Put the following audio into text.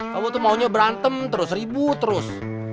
kamu tuh maunya berantem terus ribut terus